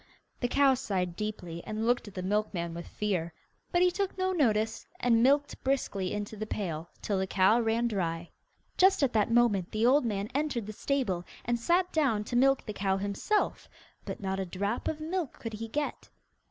The cow sighed deeply, and looked at the milkman with fear, but he took no notice, and milked briskly into the pail, till the cow ran dry. Just at that moment the old man entered the stable, and sat down to milk the cow himself, but not a drop of milk could he get.